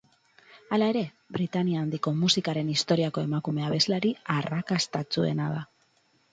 Hala ere, Britania Handiko musikaren historiako emakume abeslari arrakastatsuena da.